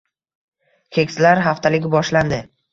Keksalar haftaligi boshlandi